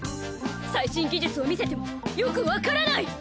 最新技術を見せてもよくわからない！